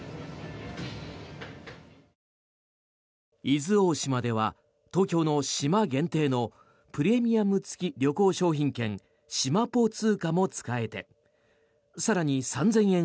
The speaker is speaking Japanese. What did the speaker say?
伊豆大島では東京の島限定のプレミアム付き旅行商品券しまぽ通貨も使えて更に３０００円